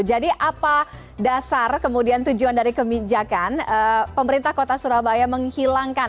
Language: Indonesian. jadi apa dasar kemudian tujuan dari kebijakan pemerintah kota surabaya menghilangkan